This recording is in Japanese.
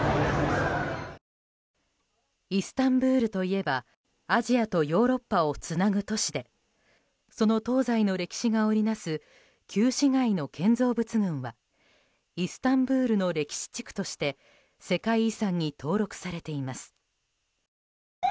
イスタンブールといえばアジアとヨーロッパをつなぐ都市でその東西の歴史が織りなす旧市街の建造物群はイスタンブールの歴史地区として世界遺産に登録されています。